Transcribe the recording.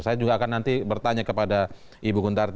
saya juga akan nanti bertanya kepada ibu guntar